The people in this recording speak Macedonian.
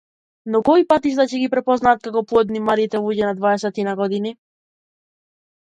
Но кои патишта ќе ги препознаат како плодни младите луѓе на дваесетина години?